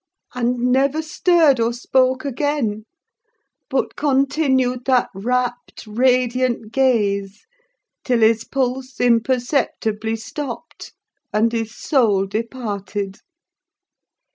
and never stirred or spoke again; but continued that rapt, radiant gaze, till his pulse imperceptibly stopped and his soul departed.